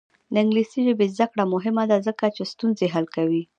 د انګلیسي ژبې زده کړه مهمه ده ځکه چې ستونزې حل کوي.